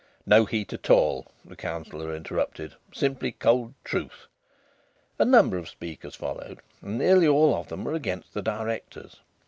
"No heat at all," the Councillor interrupted. "Simply cold truth!" A number of speakers followed, and nearly all of them were against the Directors.